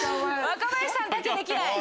若林さんだけ「できない」。